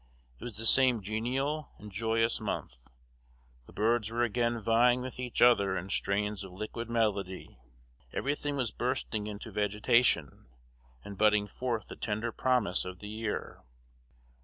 It was the same genial and joyous month; the birds were again vying with each other in strains of liquid melody; every thing was bursting into vegetation, and budding forth the tender promise of the year.